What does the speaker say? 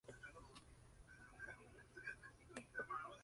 Tanto por su gastronomía, etnografía, historia y biología.